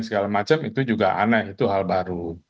segala macam itu juga aneh itu hal baru